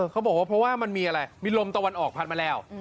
เขาบอกว่าเพราะว่ามันมีอะไรมีลมตะวันออกพัดมาแล้ว